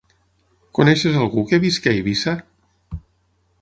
Coneixes algú que visqui a Eivissa?